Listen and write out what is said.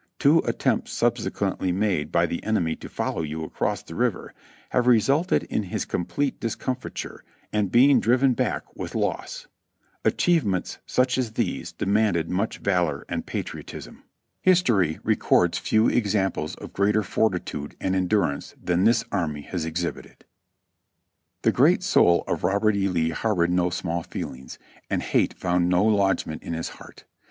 Two attempts subsequently made by the enemy to follow you across the river have resulted in his complete discomfiture and being driven back with loss. Achievements such as these de manded much valor and patriotism. History records few 20 306 JOHNNY RE:b and BILI,Y YANK examples of greater fortitude and endurance than this army has exhibited." (Reb. Records, Vol. 19, pp. 644 645.) The great soul of Robert E. Lee harbored no small feelings, and hate found no lodgment in his heart.